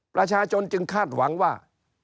ประชาชนจึงคาดหวังว่า